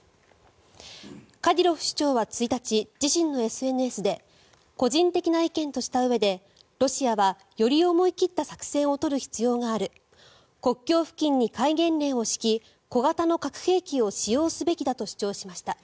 カディロフ首長は１日自身のＳＮＳで個人的な意見としたうえでロシアはより思い切った作戦を取る必要がある国境付近に厳戒令を敷き小型の核兵器を使用すべきだと主張しました。